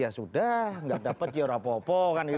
dapat ya sudah nggak dapat ya rapopo